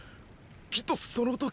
きっとその時。